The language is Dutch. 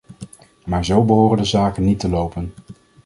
Maar zo behoren de zaken niet te lopen.